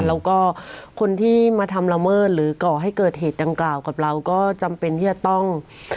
แล้วก็คนที่มาทำละเมิดหรือก่อให้เกิดเหตุดังกล่าวกับเราก็จำเป็นที่จะต้อง